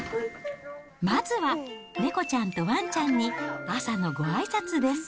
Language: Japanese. まずは、猫ちゃんとワンちゃんに朝のごあいさつです。